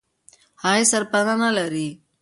هغه سرپنا نه لري.